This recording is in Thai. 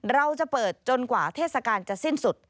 เราจะเปิดจนกว่าเทศกาลจะสิ้นสุด